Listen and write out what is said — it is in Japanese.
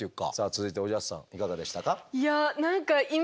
続いておじゃすさんいかがでしたか？